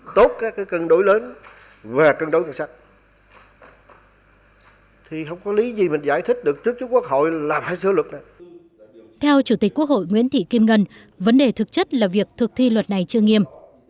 theo chủ tịch quốc hội nguyễn thị kim ngân vấn đề thực chất là việc thực thi luật này chưa nghiêm